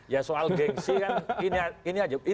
ya soal gengsi kan ini aja